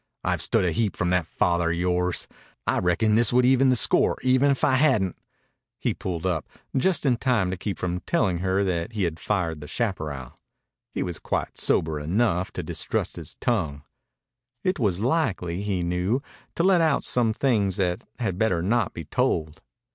"I've stood a heap from that father of yore's. I reckon this would even the score even if I hadn't " He pulled up, just in time to keep from telling her that he had fired the chaparral. He was quite sober enough to distrust his tongue. It was likely, he knew, to let out some things that had better not be told.